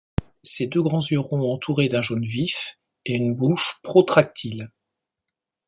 Ses deux grands yeux ronds entourés d'un jaune vif et une bouche protractile.